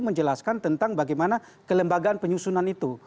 menjelaskan tentang bagaimana kelembagaan penyusunan itu